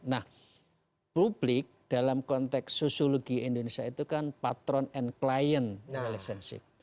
nah publik dalam konteks sosiologi indonesia itu kan patron and client relationship